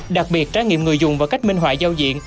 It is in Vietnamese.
đặc biệt trái nghiệm người dùng và cách minh họa giao diện